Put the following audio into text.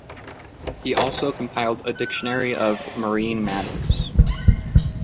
He also compiled a dictionary of marine matters.